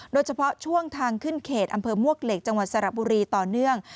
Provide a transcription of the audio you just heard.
โดยเฉพาะช่วงทางขึ้นเขตอำเภอมวกเหล็กจังหวัดสระบุรีต่อเนื่อง